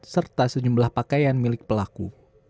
serta sejumlah pakaian milik pelaku